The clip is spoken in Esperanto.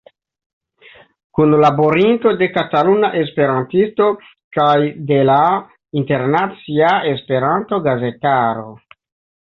Kunlaborinto de Kataluna Esperantisto kaj de la internacia Esperanto-gazetaro.